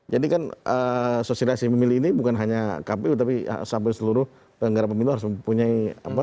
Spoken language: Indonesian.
jadi kan sosialisasi memilih ini bukan hanya kpu tapi sampai seluruh penggara pemilu harus mempunyai